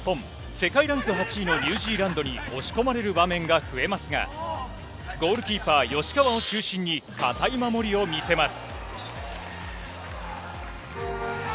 世界ランク８位のニュージーランドに押し込まれる場面が増えますが、ゴールキーパー、吉川を中心に、堅い守りを見せます。